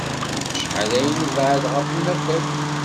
Acḥal ay nebɛed ɣef unafag?